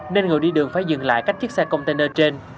nên người đi đường phải dừng lại cách chiếc xe container trên